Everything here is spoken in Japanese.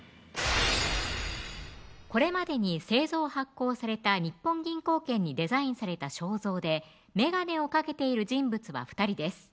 これまでに製造・発行された日本銀行券にデザインされた肖像で眼鏡をかけている人物は２人です